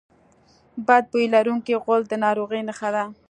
بد بوی لرونکی غول د ناروغۍ نښه ده.